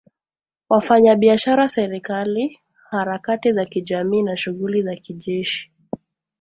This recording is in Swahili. wafanyabiashara serikali harakati za kijamii na shughuli za kijeshi